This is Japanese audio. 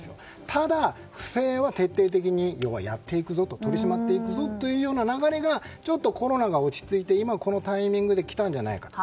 ただ、不正は徹底的に取り締まっていくぞという流れがちょっとコロナが落ち着いて今このタイミングできたんじゃないかと。